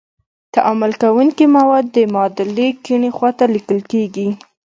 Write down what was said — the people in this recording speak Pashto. تعامل کوونکي مواد د معادلې کیڼې خواته لیکل کیږي.